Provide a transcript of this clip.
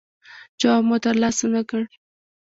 جواب مو ترلاسه نه کړ.